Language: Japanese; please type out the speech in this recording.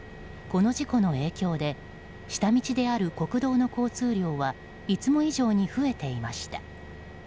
この事故の影響で下道である国道の交通量はいつも以上に増えていました。